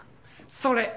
それ。